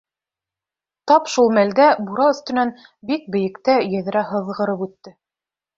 Тап шул мәлдә бура өҫтөнән бик бейектә йәҙрә һыҙғырып үтте.